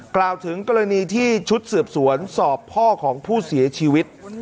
กล่าวถึงกรณีที่ชุดสืบสวนสอบพ่อของผู้เสียชีวิต